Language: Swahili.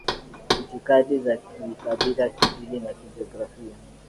itikadi za kikabila kidini na kijiografia